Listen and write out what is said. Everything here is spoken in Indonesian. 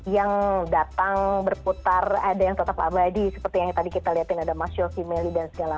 yang datang berputar ada yang tetap abadi seperti yang tadi kita lihatin ada mas yofi melly dan segala